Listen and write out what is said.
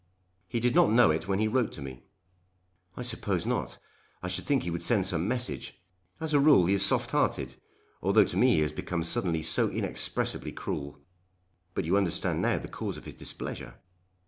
"He did not know it when he wrote to me." "I suppose not. I should think he would send some message. As a rule he is soft hearted, although to me he has become suddenly so inexpressibly cruel." "But you understand now the cause of his displeasure?"